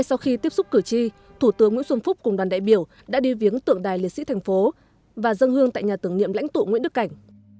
sau khi tiếp xúc cử tri thủ tướng nguyễn xuân phúc cùng đoàn đại biểu đã đi viếng tượng đài liệt sĩ thành phố và dân hương tại nhà tưởng niệm lãnh tụ nguyễn đức cảnh